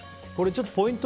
ポイント